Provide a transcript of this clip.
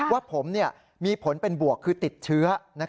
ว่าผมมีผลเป็นบวกคือติดเชื้อ